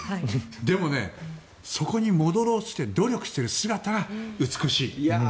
でもね、そこに戻ろうとして努力している姿が美しい。